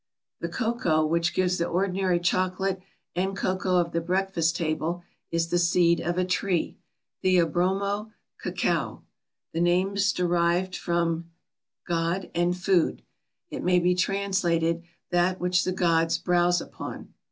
The cocoa which gives the ordinary chocolate and cocoa of the breakfast table is the seed of a tree (Theobroma cacao). The name is derived from [Greek: theos], god, and [Greek: brôma], food. It may be translated, "That which the gods browse upon."